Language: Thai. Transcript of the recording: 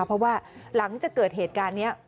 เพราะว่าหลังจากเกิดเหตุการณ์นี้